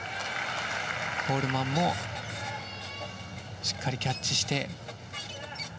コールマンもしっかりキャッチして。